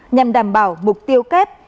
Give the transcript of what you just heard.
nhằm đảm bảo mục tiêu kết